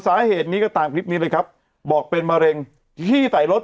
สาเหตุนี้ก็ตามคลิปนี้เลยครับบอกเป็นมะเร็งขี้ใส่รถ